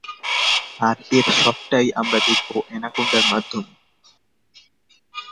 আর এর সবটাই আমরা দেখবো অ্যানাকোন্ডার মাধ্যমে।